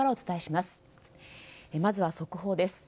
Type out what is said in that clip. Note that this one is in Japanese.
まずは速報です。